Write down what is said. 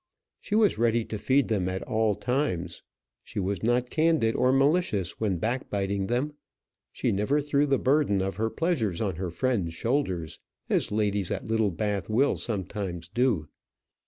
She was ready to feed them at all times; she was not candid or malicious when backbiting them; she never threw the burden of her pleasures on her friends' shoulders as ladies at Littlebath will sometimes do.